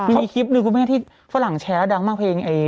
มีคลิปหนึ่งคุณแม่ที่ฝรั่งแชร์ดังมากเพลง